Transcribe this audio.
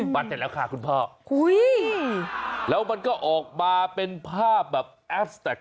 เสร็จแล้วค่ะคุณพ่อแล้วมันก็ออกมาเป็นภาพแบบแอฟแท็ก